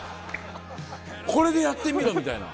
「これでやってみろ」みたいな。